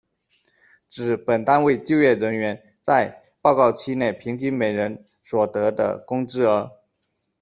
指本单位就业人员在报告期内平均每人所得的工资额。